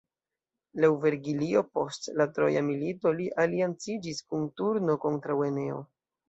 Laŭ Vergilio, post la Troja milito li alianciĝis kun Turno kontraŭ Eneo.